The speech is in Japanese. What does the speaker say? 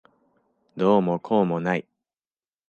どうもこうもない。